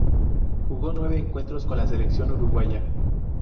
Jugó nueve encuentros con la selección uruguaya.